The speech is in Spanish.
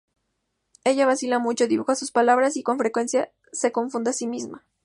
Ella vacila mucho, dibuja sus palabras y con frecuencia se confunde a sí misma.